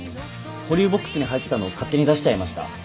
保留ボックスに入ってたの勝手に出しちゃいました。